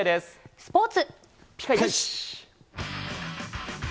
スポーツ。